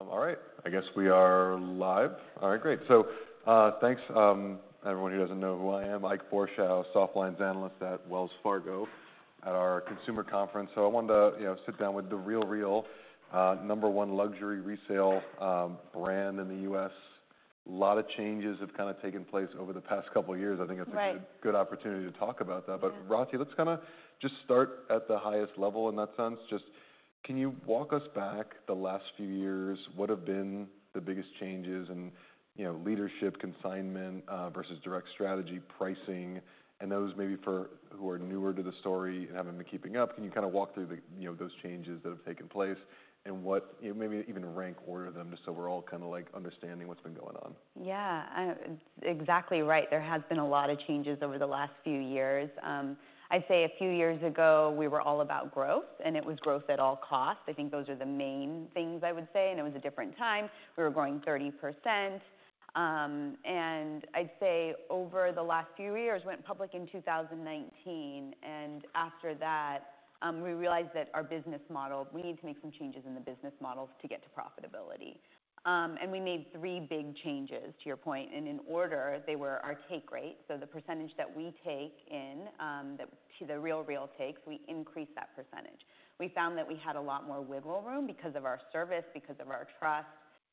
All right, I guess we are live. All right, great. So, thanks, everyone who doesn't know who I am, Ike Boruchow, Softlines Analyst at Wells Fargo at our consumer conference. So I wanted to, you know, sit down with The RealReal, number one luxury resale brand in the U.S. A lot of changes have kind of taken place over the past couple of years. Right. I think it's a good opportunity to talk about that. Yeah. But Rati, let's kinda just start at the highest level in that sense, just can you walk us back the last few years, what have been the biggest changes in, you know, leadership, consignment versus direct strategy, pricing, and those maybe for who are newer to the story and haven't been keeping up, can you kinda walk through the, you know, those changes that have taken place and what, maybe even rank order them, just so we're all kinda like understanding what's been going on? Yeah. Exactly right, there has been a lot of changes over the last few years. I'd say a few years ago, we were all about growth, and it was growth at all costs. I think those are the main things I would say, and it was a different time. We were growing 30%. I'd say over the last few years, we went public in 2019, and after that, we realized that our business model. We need to make some changes in the business models to get to profitability. And we made three big changes, to your point, and in order, they were our take rate, so the percentage that we take in, that The RealReal takes, we increased that percentage. We found that we had a lot more wiggle room because of our service, because of our trust,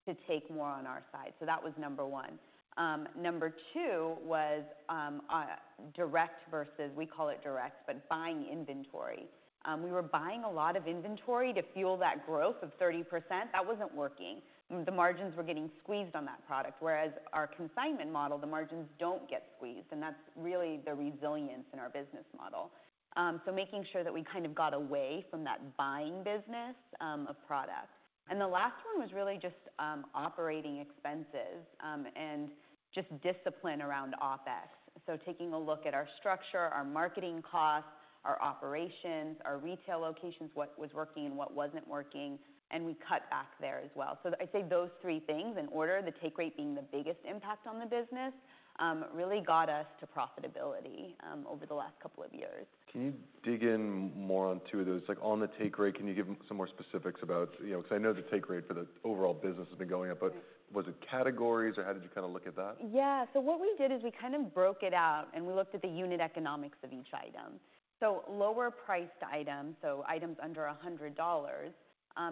to take more on our side, so that was number one. Number two was direct versus, we call it direct, but buying inventory. We were buying a lot of inventory to fuel that growth of 30%. That wasn't working. The margins were getting squeezed on that product, whereas our consignment model, the margins don't get squeezed, and that's really the resilience in our business model, so making sure that we kind of got away from that buying business of product. And the last one was really just operating expenses and just discipline around OpEx, so taking a look at our structure, our marketing costs, our operations, our retail locations, what was working and what wasn't working, and we cut back there as well. I'd say those three things, in order, the take rate being the biggest impact on the business, really got us to profitability, over the last couple of years. Can you dig in more on two of those? Like, on the take rate, can you give some more specifics about... You know, because I know the take rate for the overall business has been going up. Right. But was it categories, or how did you kinda look at that? Yeah. So what we did is we kind of broke it out, and we looked at the unit economics of each item. So lower priced items, so items under $100,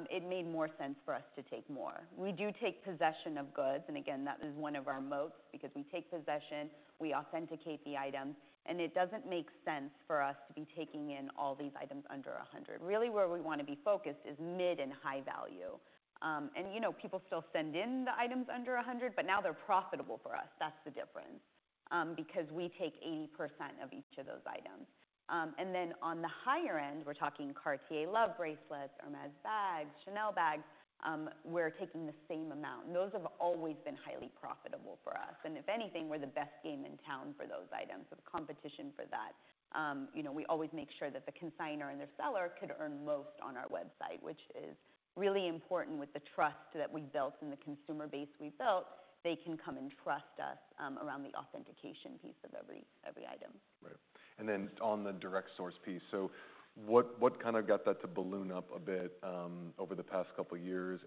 it made more sense for us to take more. We do take possession of goods, and again, that is one of our moats, because we take possession, we authenticate the item, and it doesn't make sense for us to be taking in all these items under $100. Really, where we want to be focused is mid and high value. And you know, people still send in the items under $100, but now they're profitable for us. That's the difference, because we take 80% of each of those items. And then on the higher end, we're talking Cartier Love bracelets, Hermès bags, Chanel bags. We're taking the same amount, and those have always been highly profitable for us. And if anything, we're the best game in town for those items, the competition for that. You know, we always make sure that the consignor and the seller could earn most on our website, which is really important with the trust that we built and the consumer base we built. They can come and trust us around the authentication piece of every item. Right. And then on the direct source piece, so what kind of got that to balloon up a bit over the past couple of years?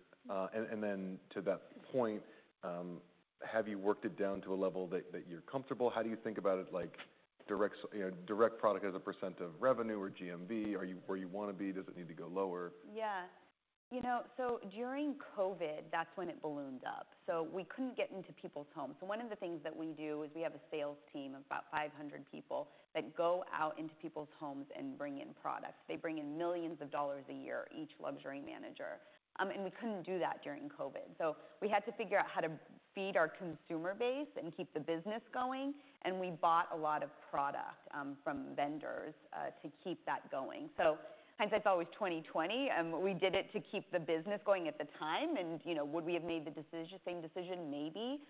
And then to that point, have you worked it down to a level that you're comfortable? How do you think about it, like, direct, you know, direct product as a % of revenue or GMV? Are you where you want to be? Does it need to go lower? Yeah. You know, so during COVID, that's when it ballooned up. So we couldn't get into people's homes. So one of the things that we do is we have a sales team of about 500 people that go out into people's homes and bring in products. They bring in millions of dollars a year, each luxury manager. And we couldn't do that during COVID, so we had to figure out how to feed our consumer base and keep the business going, and we bought a lot of product from vendors to keep that going. So hindsight, that was 2020, and we did it to keep the business going at the time, and, you know, would we have made the decision, the same decision? Maybe.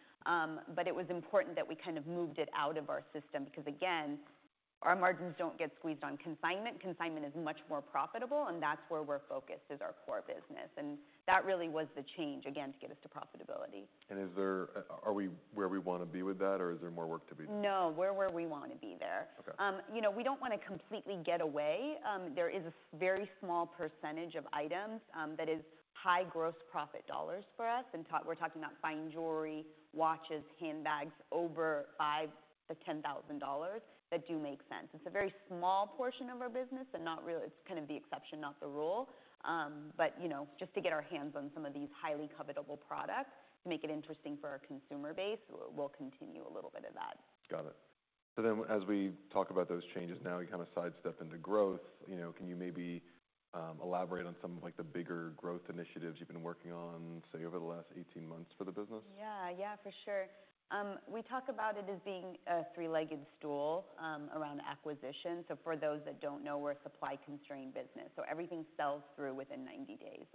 But it was important that we kind of moved it out of our system because, again, our margins don't get squeezed on consignment. Consignment is much more profitable, and that's where we're focused, is our core business. And that really was the change, again, to get us to profitability. Are we where we want to be with that, or is there more work to be done? No, we're where we want to be there. Okay. You know, we don't want to completely get away. There is a very small percentage of items that is high gross profit dollars for us, and we're talking about fine jewelry, watches, handbags over $5,000-$10,000, that do make sense. It's a very small portion of our business and not really. It's kind of the exception, not the rule. But, you know, just to get our hands on some of these highly covetable products to make it interesting for our consumer base, we'll continue a little bit of that. Got it. So then, as we talk about those changes, now we kind of sidestep into growth. You know, can you maybe, elaborate on some of like, the bigger growth initiatives you've been working on, say, over the last eighteen months for the business? Yeah. Yeah, for sure. We talk about it as being a three-legged stool around acquisition. So for those that don't know, we're a supply-constrained business, so everything sells through within ninety days.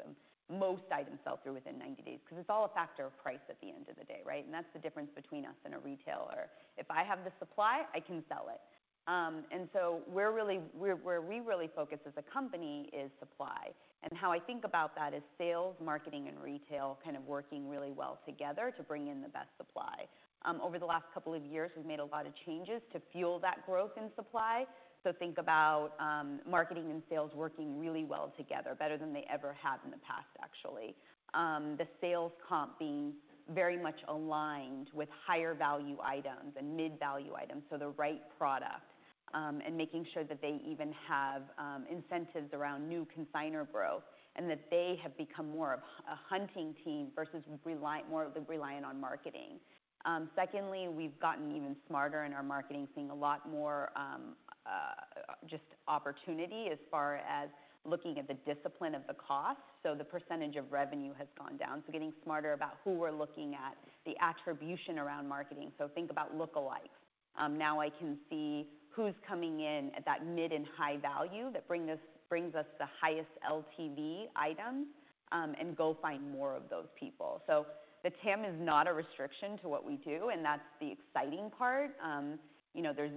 Most items sell through within ninety days because it's all a factor of price at the end of the day, right? And that's the difference between us and a retailer. If I have the supply, I can sell it. And so we're really where we really focus as a company is supply. And how I think about that is sales, marketing, and retail kind of working really well together to bring in the best supply. Over the last couple of years, we've made a lot of changes to fuel that growth in supply. So think about marketing and sales working really well together, better than they ever have in the past, actually. The sales comp being very much aligned with higher value items and mid-value items, so the right product, and making sure that they even have incentives around new consignor growth, and that they have become more of a hunting team versus more reliant on marketing. Secondly, we've gotten even smarter in our marketing, seeing a lot more just opportunity as far as looking at the discipline of the cost. The percentage of revenue has gone down. Getting smarter about who we're looking at, the attribution around marketing. Think about lookalikes. Now I can see who's coming in at that mid and high value that brings us the highest LTV items, and go find more of those people, so the TAM is not a restriction to what we do, and that's the exciting part. You know, there's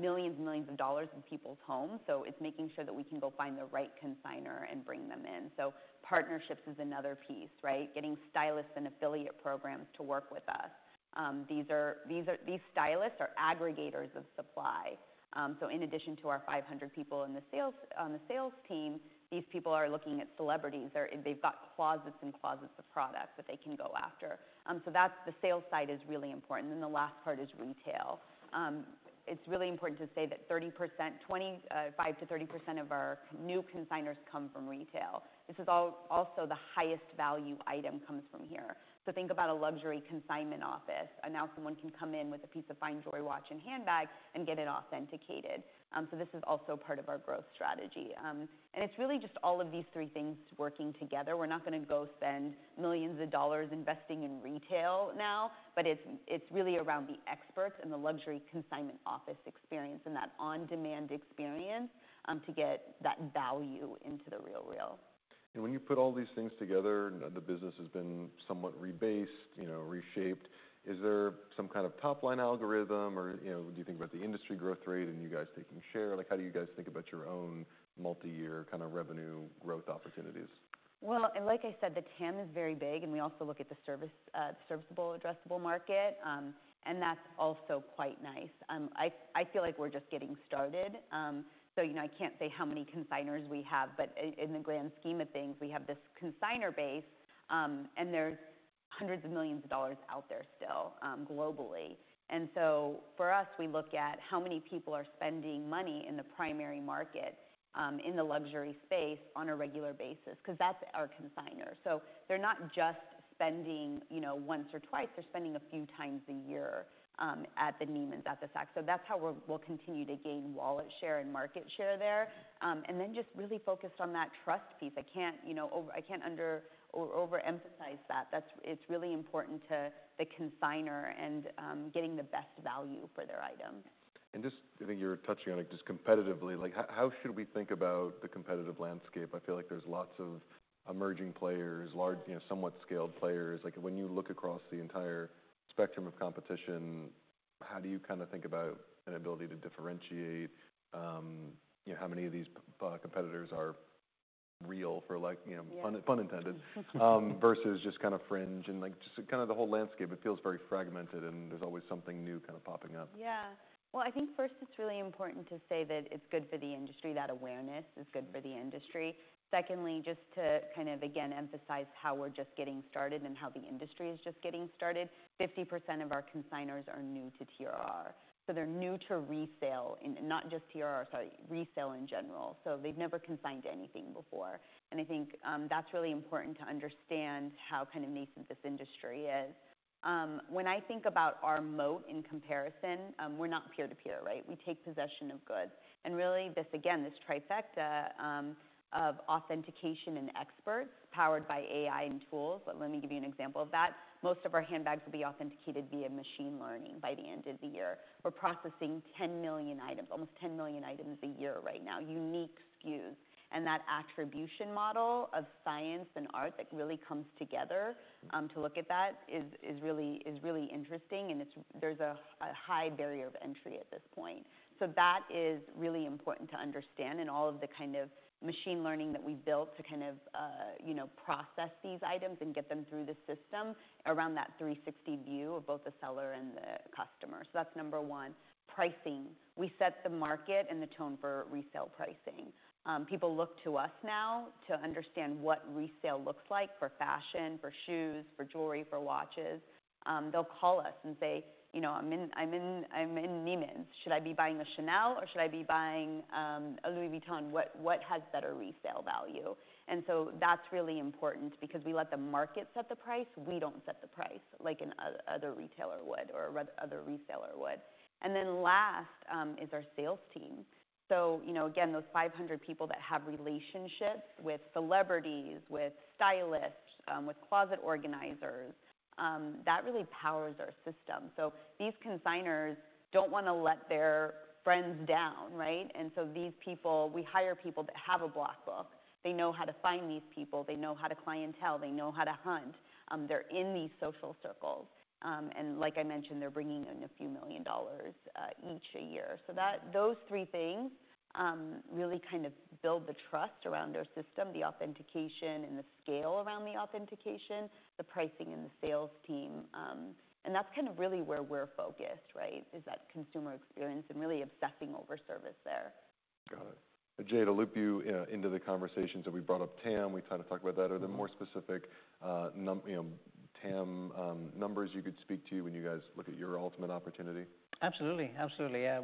millions and millions of dollars in people's homes, so it's making sure that we can go find the right consignor and bring them in. Partnerships is another piece, right? Getting stylists and affiliate programs to work with us. These stylists are aggregators of supply, so in addition to our 500 people on the sales team, these people are looking at celebrities, or they've got closets and closets of products that they can go after. So that's the sales side is really important, and the last part is retail. It's really important to say that 25%-30% of our new consignors come from retail. This is also the highest value item comes from here. So think about a luxury consignment office, and now someone can come in with a piece of fine jewelry, watch, and handbag and get it authenticated. So this is also part of our growth strategy. And it's really just all of these three things working together. We're not gonna go spend millions of dollars investing in retail now, but it's really around the experts and the luxury consignment office experience, and that on-demand experience to get that value into The RealReal. And when you put all these things together, the business has been somewhat rebased, you know, reshaped, is there some kind of top-line algorithm or, you know, do you think about the industry growth rate and you guys taking share? Like, how do you guys think about your own multi-year kind of revenue growth opportunities? Like I said, the TAM is very big, and we also look at the serviceable addressable market, and that's also quite nice. I feel like we're just getting started. So, you know, I can't say how many consignors we have, but in the grand scheme of things, we have this consignor base, and there's hundreds of millions of dollars out there still, globally. And so for us, we look at how many people are spending money in the primary market, in the luxury space on a regular basis, 'cause that's our consignor. So they're not just spending, you know, once or twice, they're spending a few times a year, at the Neiman's, at the Saks. So that's how we'll continue to gain wallet share and market share there. And then just really focused on that trust piece. I can't, you know, under or overemphasize that. That's. It's really important to the consignor, and getting the best value for their item. Just, I think you were touching on, like, just competitively, like, how should we think about the competitive landscape? I feel like there's lots of emerging players, large, you know, somewhat scaled players. Like, when you look across the entire spectrum of competition, how do you kind of think about an ability to differentiate, you know, how many of these competitors are real for like, you know- Yeah. No pun, pun intended, versus just kind of fringe and, like, just kind of the whole landscape. It feels very fragmented, and there's always something new kind of popping up. Yeah. Well, I think first it's really important to say that it's good for the industry, that awareness is good for the industry. Secondly, just to kind of again emphasize how we're just getting started and how the industry is just getting started, 50% of our consignors are new to TRR. So they're new to resale, and not just TRR, sorry, resale in general, so they've never consigned anything before. And I think that's really important to understand how kind of nascent this industry is. When I think about our moat in comparison, we're not peer-to-peer, right? We take possession of goods. And really, this again, this trifecta of authentication and experts powered by AI and tools, but let me give you an example of that. Most of our handbags will be authenticated via machine learning by the end of the year. We're processing 10 million items, almost 10 million items a year right now, unique SKUs, and that attribution model of science and art that really comes together to look at that is really interesting, and it's there's a high barrier of entry at this point. So that is really important to understand and all of the kind of machine learning that we've built to kind of, you know, process these items and get them through the system around that 360 view of both the seller and the customer. So that's number one. Pricing, we set the market and the tone for resale pricing. People look to us now to understand what resale looks like for fashion, for shoes, for jewelry, for watches. They'll call us and say: "You know, I'm in Neiman's, should I be buying a Chanel or should I be buying a Louis Vuitton? What has better resale value?" And so that's really important because we let the market set the price, we don't set the price like another retailer would or other reseller would. And then last is our sales team. So, you know, again, those 500 people that have relationships with celebrities, with stylists, with closet organizers, that really powers our system. So these consignors don't wanna let their friends down, right? And so these people, we hire people that have a black book. They know how to find these people. They know how to clientele. They know how to hunt. They're in these social circles. And like I mentioned, they're bringing in a few million dollars each a year. So that those three things really kind of build the trust around our system, the authentication and the scale around the authentication, the pricing, and the sales team. And that's kind of really where we're focused, right? Is that consumer experience and really obsessing over service there.... Got it. Ajay, to loop you into the conversations that we brought up TAM, we kind of talked about that. Are there more specific, you know, TAM numbers you could speak to when you guys look at your ultimate opportunity? Absolutely, absolutely. Yeah,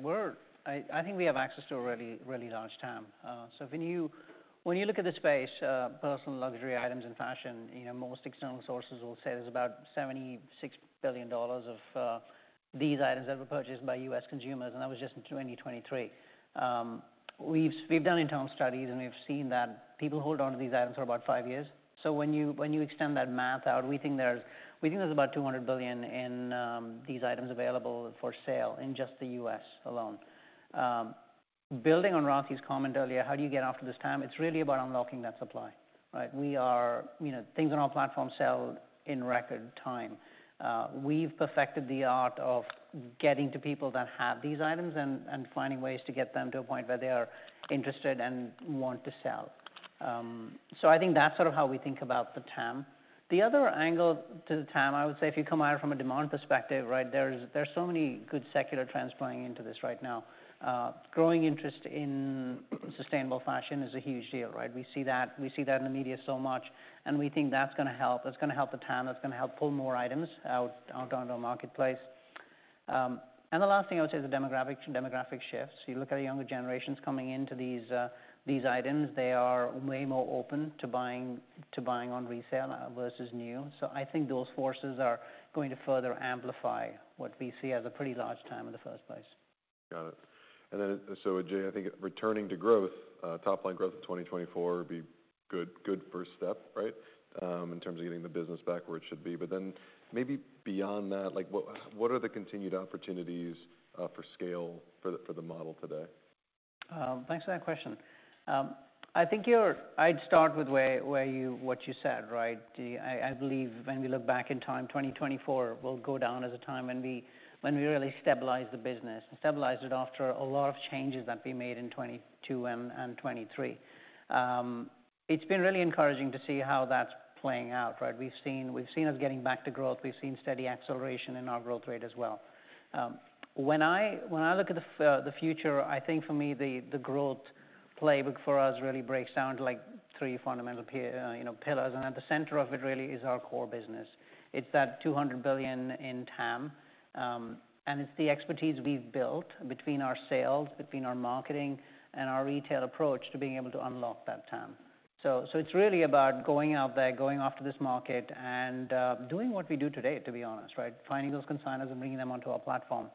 we think we have access to a really, really large TAM. So when you look at the space, personal luxury items and fashion, you know, most external sources will say there's about $76 billion of these items that were purchased by U.S. consumers, and that was just in 2023. We've done internal studies, and we've seen that people hold on to these items for about five years. So when you extend that math out, we think there's about $200 billion in these items available for sale in just the U.S. alone. Building on Rati's comment earlier, how do you get after this TAM? It's really about unlocking that supply, right? We are... You know, things on our platform sell in record time. We've perfected the art of getting to people that have these items and finding ways to get them to a point where they are interested and want to sell. So I think that's sort of how we think about the TAM. The other angle to the TAM, I would say, if you come at it from a demand perspective, right, there are so many good secular trends playing into this right now. Growing interest in sustainable fashion is a huge deal, right? We see that, we see that in the media so much, and we think that's gonna help. That's gonna help the TAM, that's gonna help pull more items out onto our marketplace, and the last thing I would say, the demographic shifts. You look at the younger generations coming into these items. They are way more open to buying on resale versus new. So I think those forces are going to further amplify what we see as a pretty large TAM in the first place. Got it, and then so Ajay, I think returning to growth, top line growth in twenty twenty-four would be good, good first step, right? In terms of getting the business back where it should be, but then maybe beyond that, like, what are the continued opportunities for scale for the model today? Thanks for that question. I think I'd start with what you said, right? I believe when we look back in time, 2024 will go down as a time when we really stabilized the business, and stabilized it after a lot of changes that we made in 2022 and 2023. It's been really encouraging to see how that's playing out, right? We've seen us getting back to growth. We've seen steady acceleration in our growth rate as well. When I look at the future, I think for me, the growth playbook for us really breaks down to, like, three fundamental pillars, you know, and at the center of it really is our core business. It's that $200 billion in TAM, and it's the expertise we've built between our sales, between our marketing and our retail approach to being able to unlock that TAM. So it's really about going out there, going after this market, and doing what we do today, to be honest, right? Finding those consignors and bringing them onto our platform.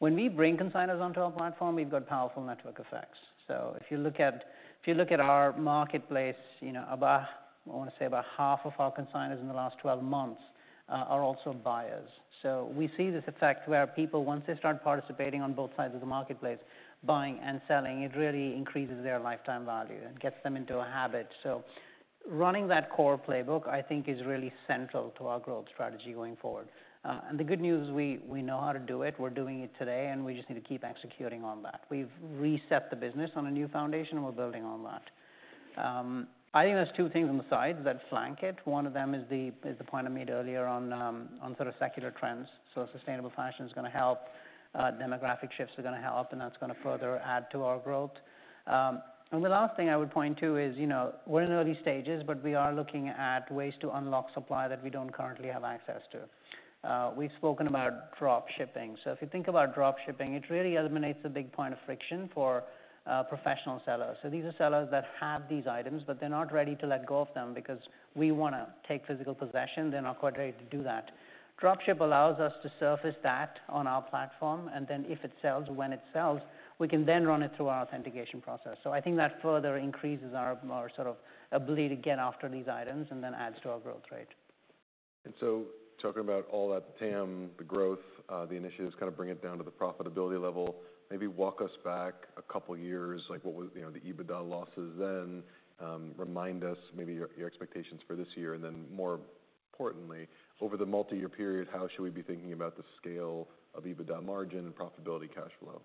When we bring consignors onto our platform, we've got powerful network effects. So if you look at our marketplace, you know, about, I want to say about half of our consignors in the last twelve months are also buyers. So we see this effect where people, once they start participating on both sides of the marketplace, buying and selling, it really increases their lifetime value and gets them into a habit. Running that core playbook, I think, is really central to our growth strategy going forward. The good news is we know how to do it, we're doing it today, and we just need to keep executing on that. We've reset the business on a new foundation, and we're building on that. I think there's two things on the side that flank it. One of them is the point I made earlier on sort of secular trends. Sustainable fashion is gonna help, demographic shifts are gonna help, and that's gonna further add to our growth, and the last thing I would point to is, you know, we're in early stages, but we are looking at ways to unlock supply that we don't currently have access to. We've spoken about drop shipping. So if you think about drop shipping, it really eliminates a big point of friction for professional sellers. These are sellers that have these items, but they're not ready to let go of them, because we wanna take physical possession. They're not quite ready to do that. Drop ship allows us to surface that on our platform, and then if it sells, when it sells, we can then run it through our authentication process. So I think that further increases our sort of ability to get after these items and then adds to our growth rate. And so, talking about all that TAM, the growth, the initiatives, kind of bring it down to the profitability level. Maybe walk us back a couple of years, like, what was, you know, the EBITDA losses then? Remind us maybe your expectations for this year, and then more importantly, over the multi-year period, how should we be thinking about the scale of EBITDA margin and profitability cash flow?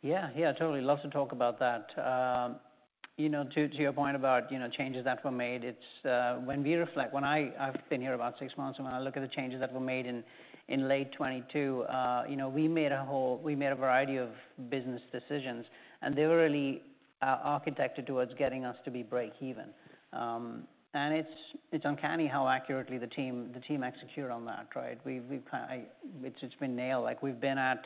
Yeah, yeah, totally love to talk about that. You know, to your point about, you know, changes that were made, it's when I've been here about six months, and when I look at the changes that were made in late twenty twenty-two, you know, we made a variety of business decisions, and they were really architected towards getting us to be break even. And it's uncanny how accurately the team executed on that, right? We've it's been nailed. Like, we've been at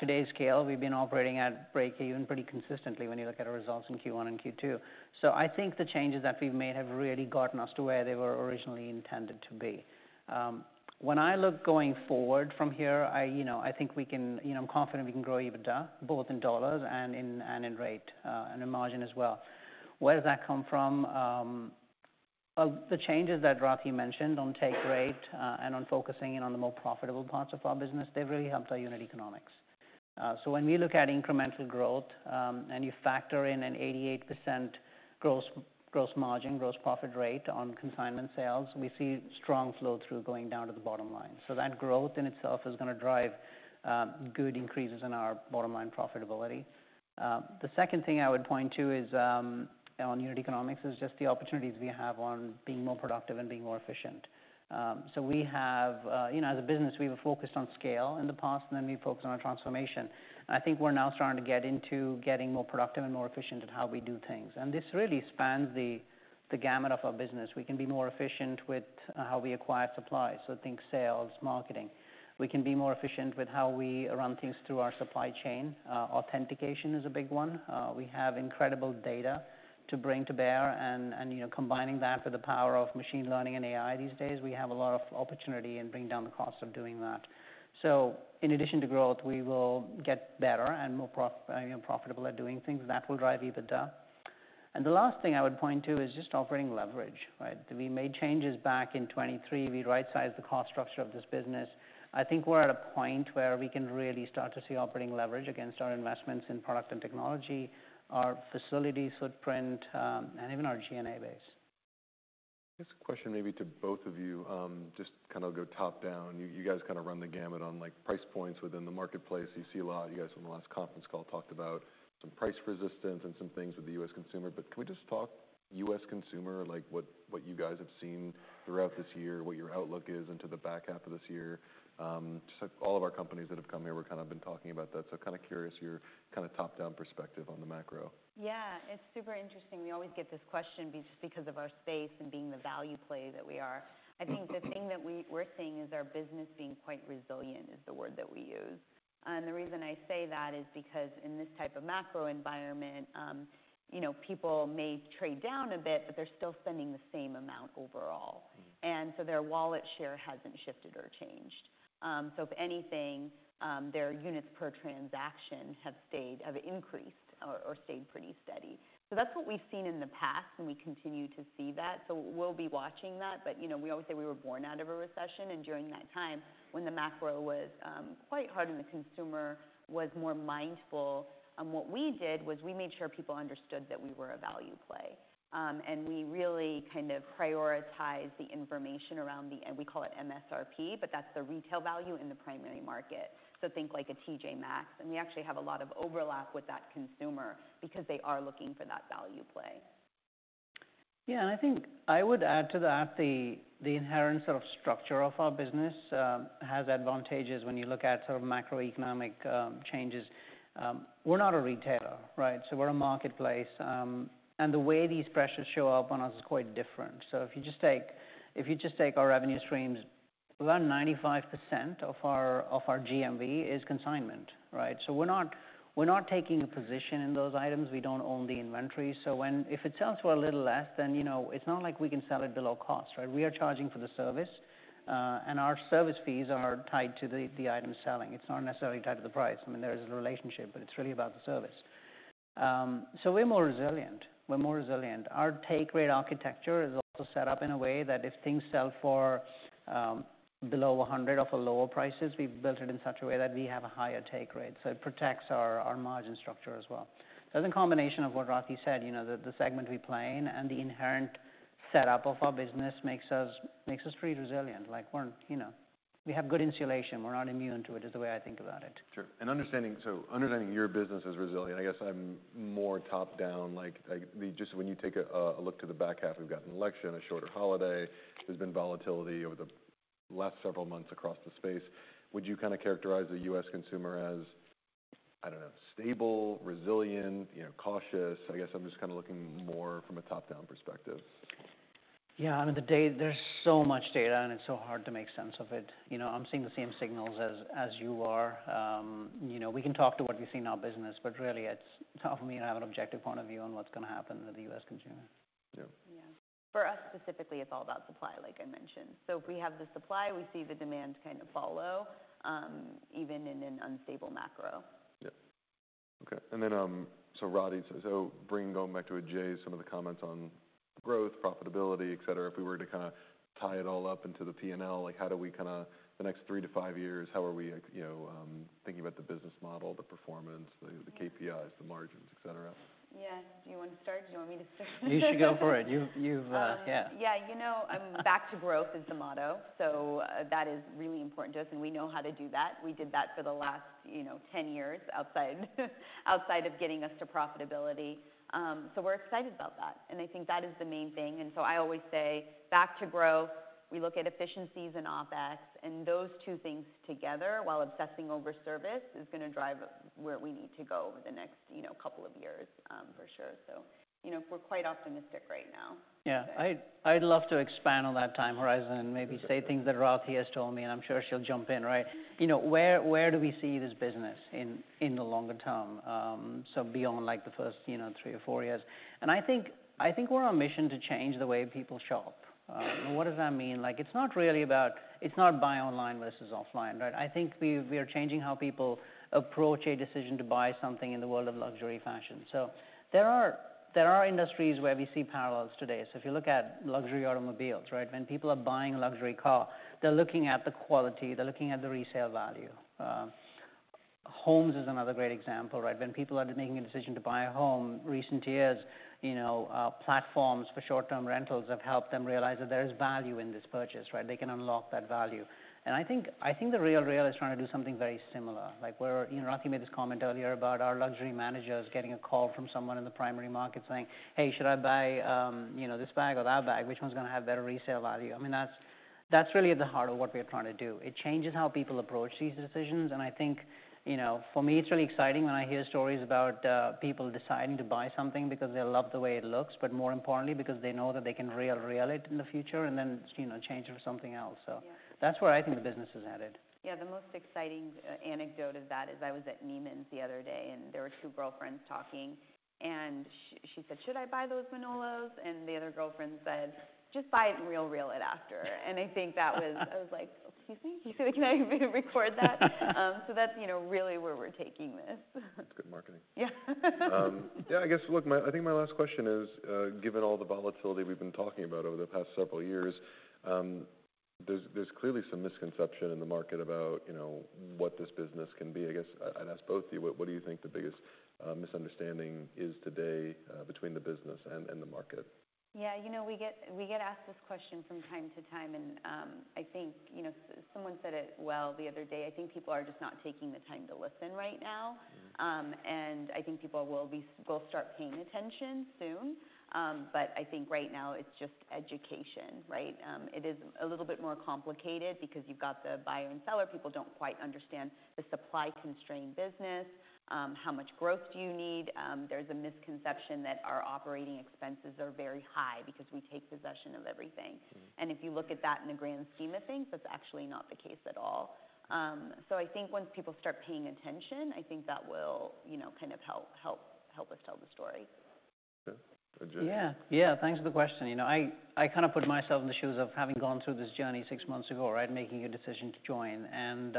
today's scale, we've been operating at break even pretty consistently when you look at our results in Q1 and Q2. So I think the changes that we've made have really gotten us to where they were originally intended to be. When I look going forward from here, I you know I think we can. You know, I'm confident we can grow EBITDA, both in dollars and in rate, and in margin as well. Where does that come from? Well, the changes that Rati mentioned on take rate, and on focusing in on the more profitable parts of our business, they've really helped our unit economics. So when we look at incremental growth, and you factor in an 88% gross margin, gross profit rate on consignment sales, we see strong flow through going down to the bottom line. So that growth in itself is going to drive good increases in our bottom line profitability. The second thing I would point to is, on unit economics, is just the opportunities we have on being more productive and being more efficient. So we have, you know, as a business, we were focused on scale in the past, and then we focused on our transformation. I think we're now starting to get into getting more productive and more efficient at how we do things. And this really spans the gamut of our business. We can be more efficient with how we acquire supply, so think sales, marketing. We can be more efficient with how we run things through our supply chain. Authentication is a big one. We have incredible data to bring to bear, and you know, combining that with the power of machine learning and AI these days, we have a lot of opportunity in bringing down the cost of doing that, so in addition to growth, we will get better and more profitable at doing things. That will drive EBITDA, and the last thing I would point to is just operating leverage, right? We made changes back in 2023. We rightsized the cost structure of this business. I think we're at a point where we can really start to see operating leverage against our investments in product and technology, our facility footprint, and even our G&A base. This question may be to both of you. Just kind of go top down. You guys kind of run the gamut on, like, price points within the marketplace. You guys, on the last conference call, talked about some price resistance and some things with the U.S. consumer, but can we just talk U.S. consumer, like, what you guys have seen throughout this year, what your outlook is into the back half of this year? Just like all of our companies that have come here, we've kind of been talking about that. So kind of curious your kind of top-down perspective on the macro. Yeah, it's super interesting. We always get this question just because of our space and being the value play that we are. Mm-hmm. I think the thing that we're seeing is our business being quite resilient, is the word that we use, and the reason I say that is because in this type of macro environment, you know, people may trade down a bit, but they're still spending the same amount overall. Mm-hmm. Their wallet share hasn't shifted or changed. If anything, their units per transaction have increased or stayed pretty steady. That's what we've seen in the past, and we continue to see that, so we'll be watching that. You know, we always say we were born out of a recession, and during that time, when the macro was quite hard and the consumer was more mindful, what we did was we made sure people understood that we were a value play. We really kind of prioritized the information around the... We call it MSRP, but that's the retail value in the primary market. Think like a T.J. Maxx, and we actually have a lot of overlap with that consumer because they are looking for that value play. Yeah, and I think I would add to that the inherent sort of structure of our business has advantages when you look at sort of macroeconomic changes. We're not a retailer, right? So we're a marketplace, and the way these pressures show up on us is quite different. So if you just take our revenue streams, around 95% of our GMV is consignment, right? So we're not taking a position in those items. We don't own the inventory. So if it sells for a little less, then you know, it's not like we can sell it below cost, right? We are charging for the service, and our service fees are tied to the item selling. It's not necessarily tied to the price. I mean, there is a relationship, but it's really about the service. So we're more resilient. Our take rate architecture is also set up in a way that if things sell for below a hundred or for lower prices, we've built it in such a way that we have a higher take rate, so it protects our margin structure as well. So the combination of what Rati said, you know, the segment we play in and the inherent setup of our business makes us pretty resilient. Like, we're, you know, we have good insulation. We're not immune to it, is the way I think about it. Sure. And understanding, so your business is resilient. I guess I'm more top-down. Like, just when you take a look to the back half, we've got an election, a shorter holiday. There's been volatility over the last several months across the space. Would you kind of characterize the U.S. consumer as, I don't know, stable, resilient, you know, cautious? I guess I'm just kind of looking more from a top-down perspective. Yeah, I mean, the data, there's so much data, and it's so hard to make sense of it. You know, I'm seeing the same signals as, as you are. You know, we can talk to what we see in our business, but really, it's tough for me to have an objective point of view on what's going to happen with the U.S. consumer. Sure. Yeah. For us, specifically, it's all about supply, like I mentioned. So if we have the supply, we see the demand kind of follow, even in an unstable macro. Yeah. Okay, and then, so Rati, going back to Ajay, some of the comments on growth, profitability, et cetera. If we were to kind of tie it all up into the PNL, like, how do we kind of the next three to five years, how are we, you know, thinking about the business model, the performance, the- Mm-hmm... the KPIs, the margins, et cetera? Yeah. Do you want to start, or do you want me to start? You should go for it. Yeah. Yeah, you know, back to growth is the motto. So that is really important to us, and we know how to do that. We did that for the last, you know, 10 years outside of getting us to profitability. So we're excited about that, and I think that is the main thing. And so I always say, back to growth, we look at efficiencies and OpEx, and those two things together, while obsessing over service, is going to drive where we need to go over the next, you know, couple of years, for sure. So, you know, we're quite optimistic right now. Yeah. I'd love to expand on that time horizon and maybe say things that Rati has told me, and I'm sure she'll jump in, right? You know, where do we see this business in the longer term, so beyond, like, the first, you know, three or four years? And I think we're on a mission to change the way people shop. What does that mean? Like, it's not buy online versus offline, right? I think we are changing how people approach a decision to buy something in the world of luxury fashion. So there are industries where we see parallels today. So if you look at luxury automobiles, right? When people are buying a luxury car, they're looking at the quality, they're looking at the resale value. Homes is another great example, right? When people are making a decision to buy a home, recent years, you know, platforms for short-term rentals have helped them realize that there is value in this purchase, right? They can unlock that value. And I think The RealReal is trying to do something very similar. Like where, you know, Rati made this comment earlier about our luxury managers getting a call from someone in the primary market saying, "Hey, should I buy, you know, this bag or that bag? Which one's gonna have better resale value?" I mean, that's really at the heart of what we are trying to do. It changes how people approach these decisions, and I think, you know, for me, it's really exciting when I hear stories about people deciding to buy something because they love the way it looks, but more importantly, because they know that they can RealReal it in the future and then, you know, change it for something else. Yeah. That's where I think the business is added. Yeah, the most exciting anecdote of that is I was at Neiman's the other day, and there were two girlfriends talking, and she said, "Should I buy those Manolos?" And the other girlfriend said, "Just buy it and RealReal it after." And I think that was... I was like, "Excuse me. Can I record that?" So that's, you know, really where we're taking this. That's good marketing. Yeah. Yeah, I guess, look, my last question is, given all the volatility we've been talking about over the past several years, there's clearly some misconception in the market about, you know, what this business can be. I guess I'd ask both of you, what do you think the biggest misunderstanding is today, between the business and the market? Yeah, you know, we get asked this question from time to time, and I think, you know, someone said it well the other day. I think people are just not taking the time to listen right now. Mm-hmm. And I think people will start paying attention soon. But I think right now it's just education, right? It is a little bit more complicated because you've got the buyer and seller. People don't quite understand the supply-constrained business, how much growth do you need? There's a misconception that our operating expenses are very high because we take possession of everything. Mm-hmm. If you look at that in the grand scheme of things, that's actually not the case at all. I think once people start paying attention, I think that will, you know, kind of help us tell the story. Okay. Ajay? Yeah. Yeah, thanks for the question. You know, I kind of put myself in the shoes of having gone through this journey six months ago, right? Making a decision to join. And,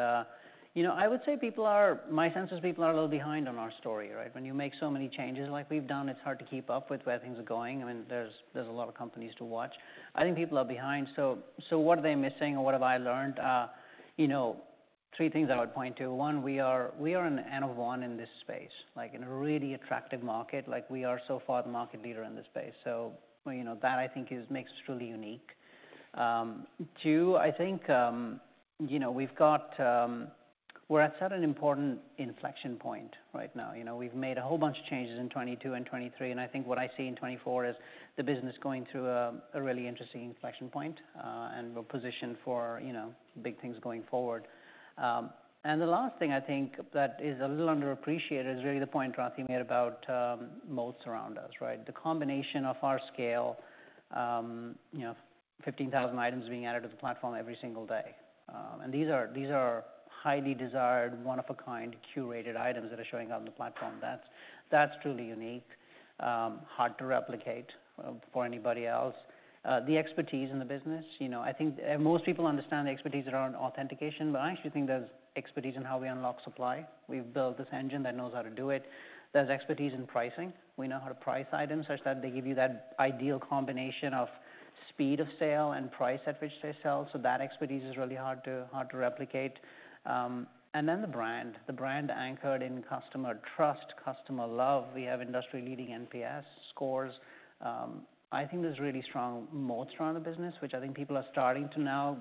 you know, I would say people are... My sense is people are a little behind on our story, right? When you make so many changes like we've done, it's hard to keep up with where things are going. I mean, there's a lot of companies to watch. I think people are behind, so what are they missing or what have I learned? You know, three things I would point to. One, we are an N of one in this space, like, in a really attractive market. Like, we are so far the market leader in this space, so, you know, that, I think, is makes us truly unique. I think, you know, we've got. We're at such an important inflection point right now. You know, we've made a whole bunch of changes in 2022 and 2023, and I think what I see in 2024 is the business going through a really interesting inflection point, and we're positioned for, you know, big things going forward, and the last thing I think that is a little underappreciated is really the point Rati made about moats around us, right? The combination of our scale, you know, 15,000 items being added to the platform every single day, and these are highly desired, one-of-a-kind, curated items that are showing up on the platform. That's truly unique, hard to replicate, for anybody else. The expertise in the business, you know, I think, most people understand the expertise around authentication, but I actually think there's expertise in how we unlock supply. We've built this engine that knows how to do it. There's expertise in pricing. We know how to price items such that they give you that ideal combination of speed of sale and price at which they sell, so that expertise is really hard to replicate. And then the brand, the brand anchored in customer trust, customer love. We have industry-leading NPS scores. I think there's really strong moats around the business, which I think people are starting to now re-